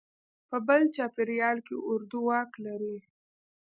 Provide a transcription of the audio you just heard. په بل چاپېریال کې اردو واک لري.